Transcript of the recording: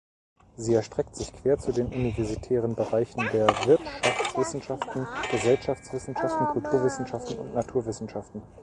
Sie erstreckt sich quer zu den universitären Bereichen der Wirtschaftswissenschaften, Gesellschaftswissenschaften, Kulturwissenschaften und Naturwissenschaften.